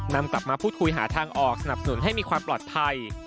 นำกลับมาพูดคุยหาทางออกสนับสนุนให้มีความปลอดภัย